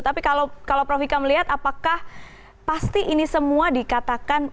tapi kalau prof ika melihat apakah pasti ini semua dikatakan